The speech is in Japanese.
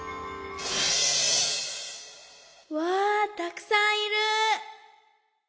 わあたくさんいる！